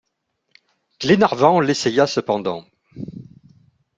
Glenarvan l’essaya cependant.